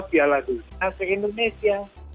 piala dunia ke indonesia